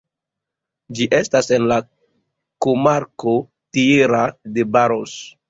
Ĝi estas en la komarko Tierra de Barros.